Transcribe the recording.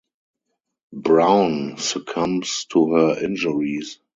Brown succumbs to her injuries.